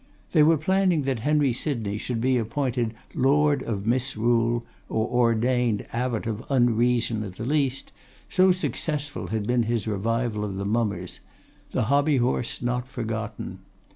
They were planning that Henry Sydney should be appointed Lord of Misrule, or ordained Abbot of Unreason at the least, so successful had been his revival of the Mummers, the Hobby horse not forgotten.